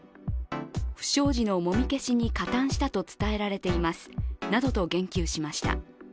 不祥事のもみ消しに加担したと伝えられていますなどと言及しました。